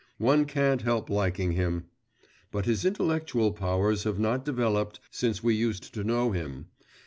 One can't help liking him … but his intellectual powers have not developed since we used to know him.